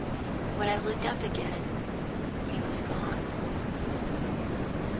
When I looked up again he was gone.